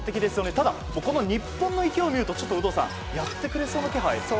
ただ、日本の勢いを見ると有働さん、やってくれそうな気配。